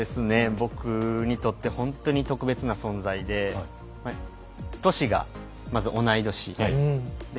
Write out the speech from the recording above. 僕にとって本当に特別な存在で年がまず同い年。